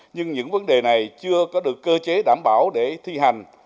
nhưng những vấn đề này chưa có được cơ chế đảm bảo để thi hành